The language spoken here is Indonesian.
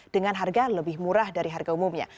dengan harga lebih murah dari harga umumnya